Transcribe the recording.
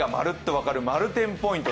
分かる「まる天」ポイント。